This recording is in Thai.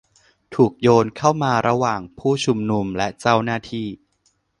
ถูกโยนเข้ามาระหว่างผู้ชุมนุมและเจ้าหน้าที่